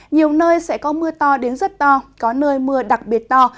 nhiều nơi sẽ có mưa to đến rất to có nơi mưa đặc biệt to